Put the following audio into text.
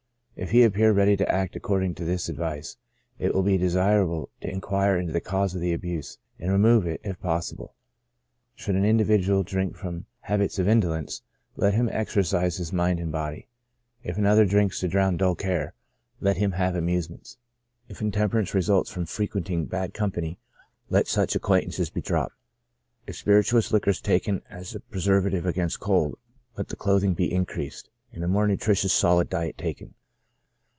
If he appear ready to act according to this advice, it will be desirable to inquire into the cause of the abuse, and remove it, if possible. Should an indi vidual drink from habits of indolence, let him exercise his mind and body; if another drinks to drown dull care, let him have amusements ; if intemperance results from fre 74 CHRONIC ALCOHOLISM. quenting bad company, let such acquaintances be dropped ; if spirituous liquors be taken as a preservative against cold, let the clothing be increased, and a more nutritious solid diet taken.